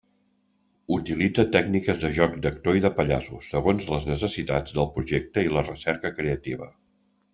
Utilitza tècniques de joc d'actor i de pallasso, segons les necessitats del projecte i la recerca creativa.